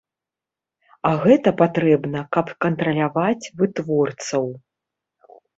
А гэта патрэбна, каб кантраляваць вытворцаў.